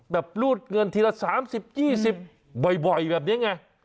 รูดเงินทีละ๓๐๒๐บ่อยแบบนี้ไง